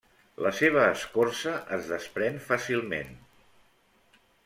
La seva escorça es desprèn fàcilment.